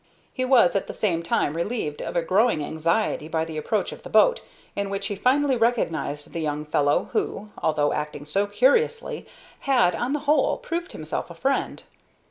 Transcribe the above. He was at the same time relieved of a growing anxiety by the approach of the boat, in which he finally recognized the young fellow who, although acting so curiously, had, on the whole, proved himself a friend.